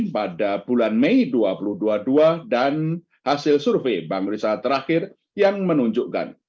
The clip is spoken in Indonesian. pada bulan mei dua ribu dua puluh dua dan hasil survei bank risa terakhir yang menunjukkan